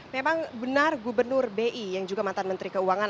memang benar gubernur bi yang juga mantan menteri keuangan